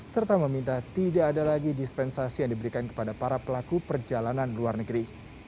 serta meminta tidak ada lagi dispensasi yang diberikan kepada para pelaku perjalanan luar negeri